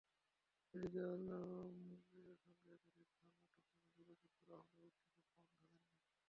এদিকে আলমগীরের সঙ্গে একাধিকবার মুঠোফোনে যোগাযোগ করা হলেও তিনি ফোন ধরেননি।